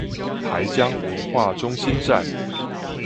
台江文化中心站